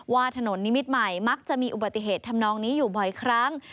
ว่าถนนนิมิตรใหม่มักจะมีอุบัติเหตุทำนองนี้อยู่บ่อยครั้ง